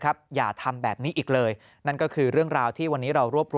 อย่าทำแบบนี้อีกเลยนั่นก็คือเรื่องราวที่วันนี้เรารวบรวม